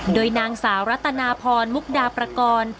โดยนางสาวรัตนาพรมุกดาประกอบ